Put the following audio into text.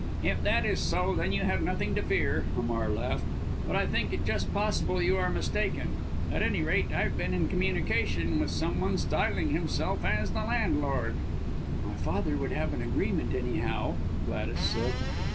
"If that is so then you have nothing to fear," Hamar laughed, "but I think it just possible you are mistaken. At any rate, I've been in communication with some one styling himself the landlord." "My father would have an agreement, anyhow!" Gladys said.